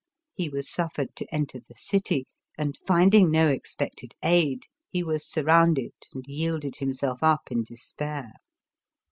He was suffered to enter the city, and, find ing no expected aid, he was surrounded and yielded himself up in despair.